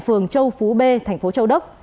phường châu phú b tp châu đốc